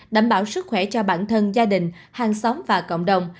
đảm bảo sức khỏe cho bản thân gia đình hàng xóm và cộng đồng